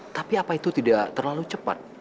tapi apa itu tidak terlalu cepat